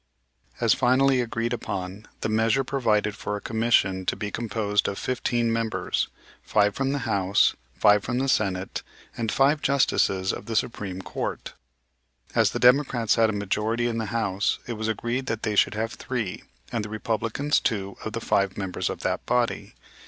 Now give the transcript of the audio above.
As finally agreed upon, the measure provided for a commission to be composed of fifteen members, five from the House, five from the Senate, and five Justices of the Supreme Court. As the Democrats had a majority in the House, it was agreed that they should have three, and the Republicans two of the five members of that body.